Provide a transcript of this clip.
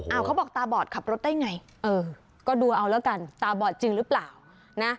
เอาเขาบอกตาบอดขับรถได้ไงเออก็ดูเอาแล้วกันตาบอดจริงหรือเปล่านะ